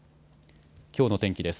きょうの天気です。